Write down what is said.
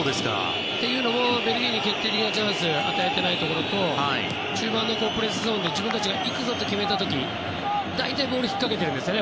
というのもベルギーに決定的なチャンスを与えていないところと中盤のプレスゾーンで自分たちが行くぞと決めた時には大体、ボールをひっかけているんですね。